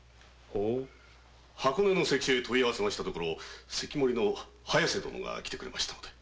箱根の関所に問い合わせたところ早瀬殿が来てくれましたので。